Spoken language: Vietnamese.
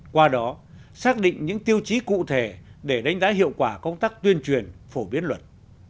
qua đó xác định những tiêu chí cụ thể để đánh giá hiệu quả công tác tuyên truyền phổ biến luật